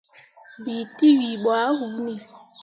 Bii tewii ɓo ah hunni.